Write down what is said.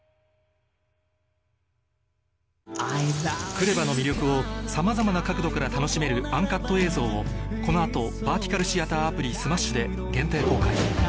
ＫＲＥＶＡの魅力をさまざまな角度から楽しめるＵＮＣＵＴ映像をこの後バーティカルシアターアプリｓｍａｓｈ．で限定公開